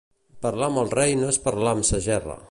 Parlar amb el rei no és parlar amb sa gerra.